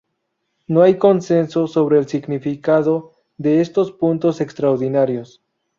No hay consenso sobre el significado de estos puntos extraordinarios.